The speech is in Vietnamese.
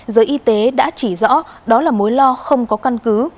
giới y tế đã chỉ rõ đó là mối lo không có căn cứ